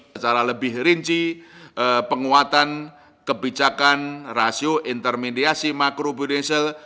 secara lebih rinci penguatan kebijakan rasio intermediasi makrobudesil